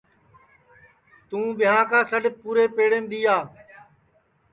تو بیاں کا سڈؔ پُورے پیڑیم دؔیا